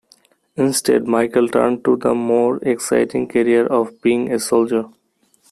Instead, Michel turned to the more exciting career of being a soldier.